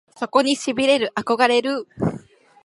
そこに痺れる憧れる